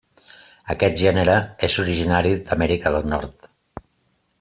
Aquest gènere és originari d'Amèrica del Nord.